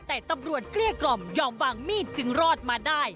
แต่ตำรวจเกลี้ยกล่อมยอมวางมีดจึงรอดมาได้